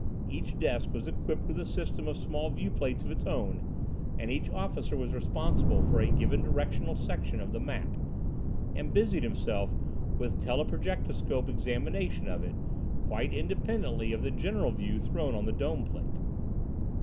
Each desk was equipped with a system of small viewplates of its own, and each officer was responsible for a given directional section of the "map," and busied himself with teleprojectoscope examination of it, quite independently of the general view thrown on the dome plate.